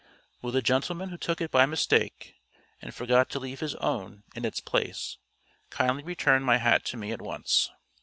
Will the gentleman who took it by mistake, and forgot to leave his own in its place, kindly return my hat to me at once?